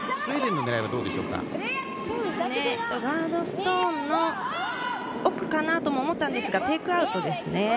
ガードストーンの奥かなと思ったんですがテイクアウトですね。